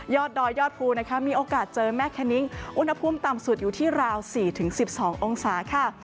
ดอยยอดภูนะคะมีโอกาสเจอแม่แคนิ้งอุณหภูมิต่ำสุดอยู่ที่ราว๔๑๒องศาค่ะ